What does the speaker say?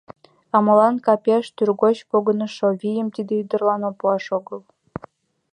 А молан капеш тӱргоч погынышо вийым тиде ӱдырлан пуаш огыл?